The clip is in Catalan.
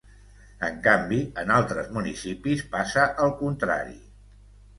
En canvi, en altres municipis passa al contrari.